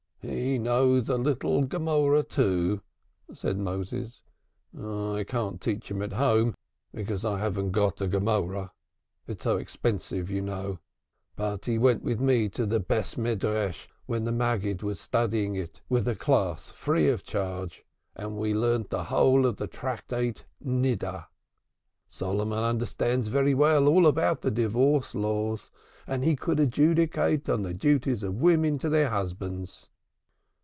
"He knows a little Gemorah, too," said Moses. "I can't teach him at home because I haven't got a Gemorah, it's so expensive, as you know. But he went with me to the Beth Medrash, when the Maggid was studying it with a class free of charge, and we learnt the whole of the Tractate Niddah. Solomon understands very well all about the Divorce Laws, and he could adjudicate on the duties of women to their husbands."